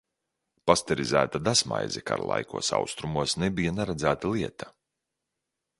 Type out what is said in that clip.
Pasterizēta desmaize kara laikos Austrumos nebija neredzēta lieta.